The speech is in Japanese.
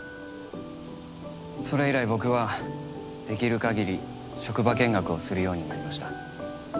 それ以来僕はできる限り職場見学をするようになりました。